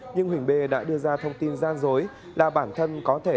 nhưng huỳnh bê đã đưa ra thông tin gian dối là bản thân có thể